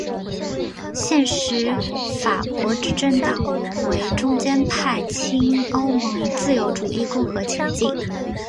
现时法国执政党为中间派亲欧盟自由主义共和前进！